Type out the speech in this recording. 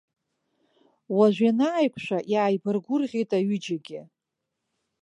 Уажә ианааиқәшәа, иааибаргәырӷьеит аҩыџьагьы.